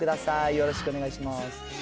よろしくお願いします。